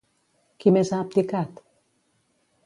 Qui més ha abdicat?